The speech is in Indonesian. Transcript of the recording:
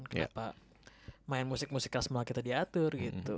kenapa main musik musik keras malah kita diatur gitu